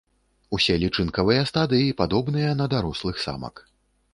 Усе лічынкавыя стадыі падобныя на дарослых самак.